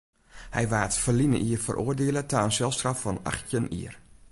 Hy waard ferline jier feroardiele ta in selstraf fan achttjin jier.